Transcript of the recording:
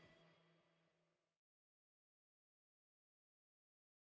ช่อง๓๒